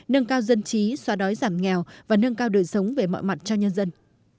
nâng cao dân trí xóa đói giảm nghèo và nâng cao đời sống về mọi mặt cho nhân dân